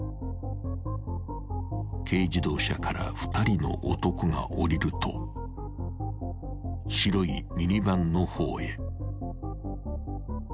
［軽自動車から２人の男が降りると白いミニバンの方へ］